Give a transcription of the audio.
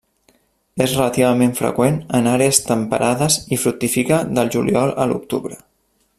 És relativament freqüent en àrees temperades i fructifica del juliol a l'octubre.